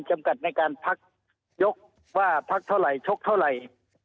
จำกัดในการพักยกว่าพักเท่าไหร่ชกเท่าไหร่